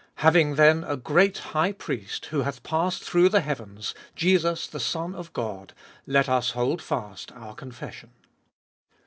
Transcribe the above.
Having, then,1 a great High Priest, who hath passed through the heavens, Jesus the Son of God, let us hold fast our confession.